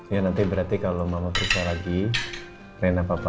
ya nanti berarti kalau mama periksa lagi rena papa ajar